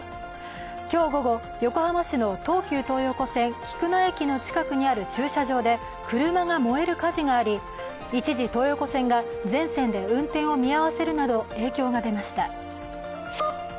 今日午後、横浜市の東急東横線菊名駅の近くにある駐車場で車が燃える火事があり、一時、東横線が全線で運転を見合わせるなど影響が出ました。